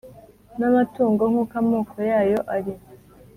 n’amatungo nk’uko amoko yayo ari